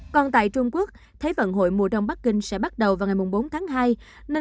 còn tại trung quốc thế vận hội mùa đông bắc kinh sẽ bắt đầu vào ngày bốn tháng hai